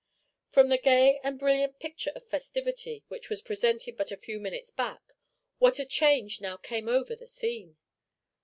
From the gay and brilliant picture of festivity which was presented but a few minutes back, what a change now came over the scene!